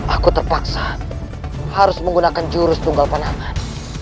aku terpaksa harus menggunakan jurus tunggal panaman